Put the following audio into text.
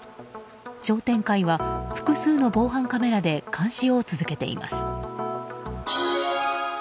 商店会は複数の防犯カメラで監視を続けています。